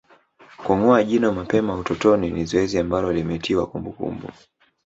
Kungoa jino mapema utotoni ni zoezi ambalo limetiwa kumbukumbu